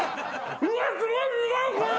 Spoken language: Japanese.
うわっすごい苦いこれ。